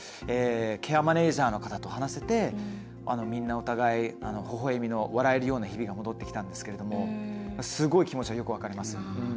ケアマネージャーの方と話せてみんな、お互い、ほほえみの笑えるような日々が戻ってきたんですけれどもすごい気持ちはよく分かりますよ。